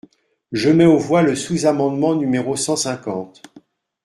Je mets aux voix le sous-amendement numéro cent cinquante.